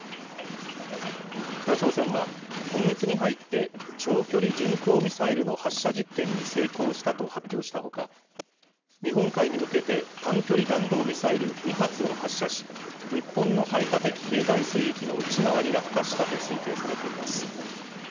北朝鮮は、今月に入って、長距離巡航ミサイルの発射実験に成功したと発表したほか、日本海に向けて、短距離弾道ミサイル２発を発射し、日本の排他的経済水域の内側に落下したと推定されています。